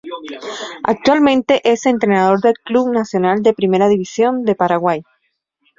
Actualmente es entrenador del Club Nacional de la Primera División de Paraguay.